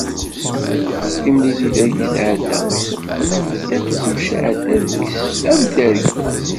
Timlilit-agi tɛedda am tuqqna n tiṭ, kullec iɛedda deg-s am tergit.